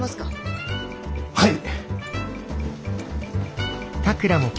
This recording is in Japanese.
はい！